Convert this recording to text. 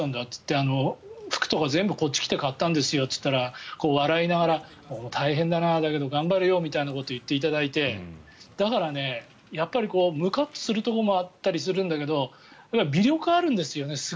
っていって服とか全部、こっちに来て買ったんですよって言ったら笑いながら大変だな、だけど頑張れよみたいなことを言っていただいてだから、やっぱりムカッとするところもあったりするんだけど魅力があるんですよね。